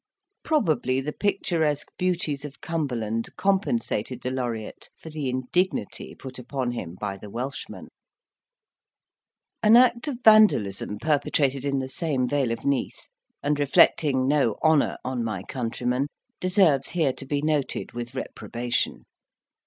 Probably the picturesque beauties of Cumberland compensated the Laureate for the indignity put upon him by the Welshman. An act of Vandalism perpetrated in the same Vale of Neath, and reflecting no honour on my countrymen, deserves here to be noted with reprobation.